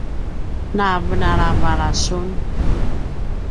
navenalavala sun!